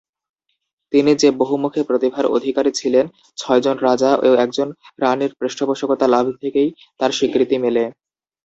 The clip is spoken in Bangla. তিনি যে বহুমুখী প্রতিভার অধিকারী ছিলেন ছয়জন রাজা ও একজন রানীর পৃষ্ঠপোষকতা লাভ থেকেই তার স্বীকৃতি মেলে।